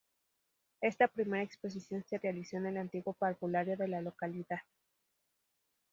Esta primera exposición se realizó en el antiguo parvulario de la localidad.